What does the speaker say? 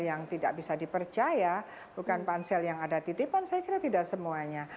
yang tidak bisa dipercaya bukan pansel yang ada titipan saya kira tidak semuanya